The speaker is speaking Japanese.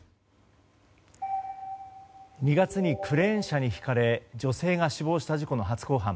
２月にクレーン車にひかれ女性が死亡した事故の初公判。